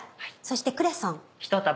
そしてクレソン。